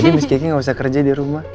jadi miss kiki gak usah kerja di rumah